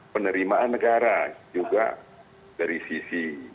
penerimaan negara juga dari sisi